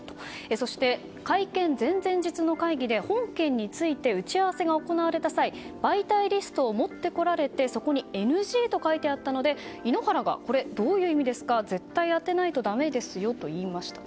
そして会見前々日の会議で本件について打ち合わせが行われた際媒体リストを持ってこられてそこにＮＧと書いてあったので井ノ原がこれどういう意味ですか絶対当てないとだめですよと言いました。